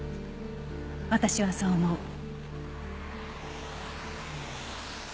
私はそう思う。